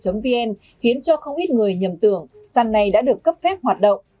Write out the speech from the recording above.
dưới đuôi vn khiến cho không ít người nhầm tưởng sàn này đã được cấp phép hoạt động